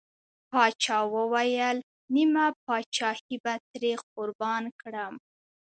پاچا وويل: نيمه پاچاهي به ترې قربان کړم.